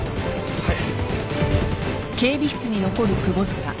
はい。